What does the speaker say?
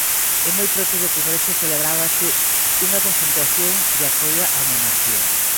E moi preto do Congreso celebrábase unha concentración de apoio á monarquía.